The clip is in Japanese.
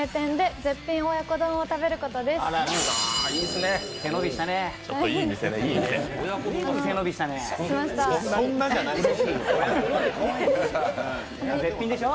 絶品でしょ。